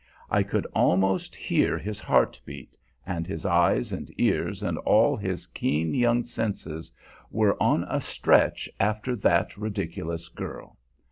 I could almost hear his heart beat, and his eyes and ears and all his keen young senses were on a stretch after that ridiculous girl.